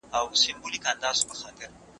او که پروګرام په ژوندنۍ بڼه نه و نو بیا